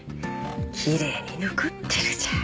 きれいに残ってるじゃん。